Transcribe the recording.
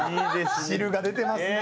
汁が出てますね。